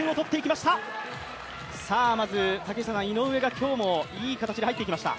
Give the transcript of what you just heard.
まず竹下さん、井上が今日もいい形で入っていきました。